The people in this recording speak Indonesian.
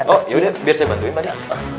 oh yaudah biar saya bantuin pak deh